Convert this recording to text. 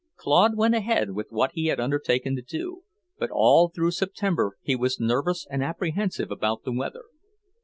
Claude went ahead with what he had undertaken to do, but all through September he was nervous and apprehensive about the weather.